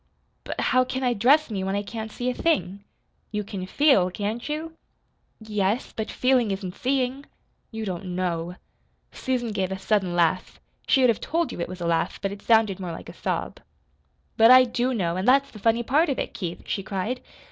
"But how can I dress me when I can't see a thing?" "You can feel, can't you?" "Y yes. But feeling isn't seeing. You don't KNOW." Susan gave a sudden laugh she would have told you it was a laugh but it sounded more like a sob. "But I do know, an' that's the funny part of it, Keith," she cried.